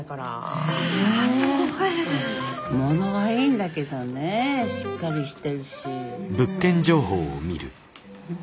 あものはいいんだけどねぇしっかりして。